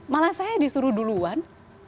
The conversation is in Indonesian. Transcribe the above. malah saya disuruh duluan